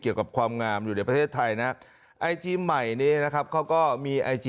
เกี่ยวกับความงามอยู่ในประเทศไทย